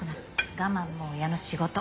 我慢も親の仕事。